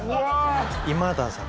今田さん。